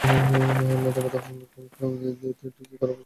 লতা, পাতা, ফুল, কলকা দিয়ে ডিজাইন করা পোশাক দিয়ে সাজানো হয়েছে দোকান।